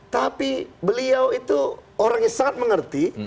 tapi beliau itu orang yang sangat mengerti